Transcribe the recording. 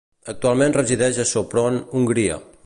Actualment resideix a Sopron, Hongria.